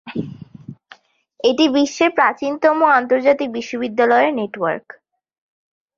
এটি বিশ্বের প্রাচীনতম আন্তর্জাতিক বিশ্ববিদ্যালয়ের নেটওয়ার্ক।